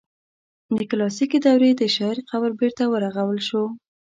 د کلاسیکي دورې د شاعر قبر بیرته ورغول شو.